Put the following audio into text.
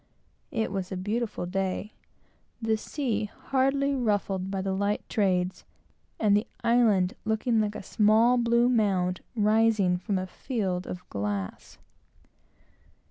It was a beautiful day, the sea hardly ruffled by the light trades, and the island looking like a small blue mound rising from a field of glass.